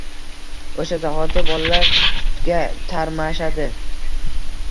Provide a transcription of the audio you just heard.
O‘sha zahoti bolalar tutga tarmashadi.